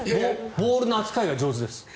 ボールの扱いが上手です。